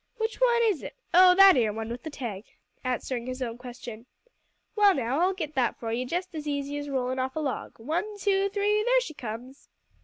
"Which one is't? Oh, that ere one with the tag," answering his own question. "Well, now, I'll git that for you jest as easy as rolling off a log. One two three there she comes!"